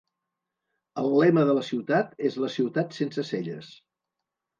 El lema de la ciutat és "la ciutat sense celles".